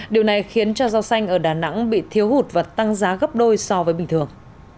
điều này khiến cho rau xanh ở đà nẵng bị thiếu hụt và tăng giá gấp đôi so với bình thường